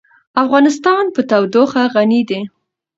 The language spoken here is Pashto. افغانستان په تودوخه غني دی.